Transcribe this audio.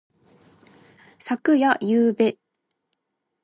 昨夜。ゆうべ。